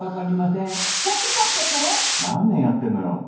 何年やってんのよ！